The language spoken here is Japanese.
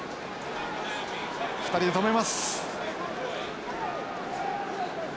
２人で止めます。